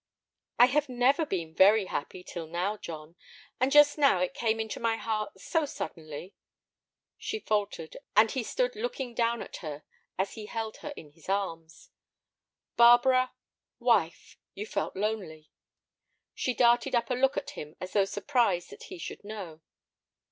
"I have never been very happy till now, John. And just now it came into my heart so suddenly—" She faltered, and he stood looking down at her as he held her in his arms. "Barbara—wife, you felt lonely." She darted up a look at him as though surprised that he should know.